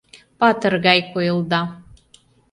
Патыр гас койылда